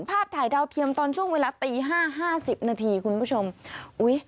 ภาพถ่ายดาวเทียมตอนช่วงเวลาตีห้าห้าสิบนาทีคุณผู้ชมอุ้ย